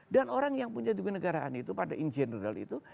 dan orang yang punya negara itu pada in general itu